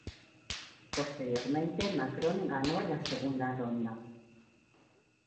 Posteriormente Macron ganó la segunda ronda.